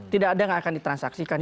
tidak ada yang akan ditransaksikan